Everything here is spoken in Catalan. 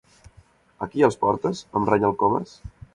Aquí, els portes? —em renya el Comas.